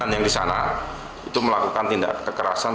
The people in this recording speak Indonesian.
yang di sana itu melakukan tindak kekerasan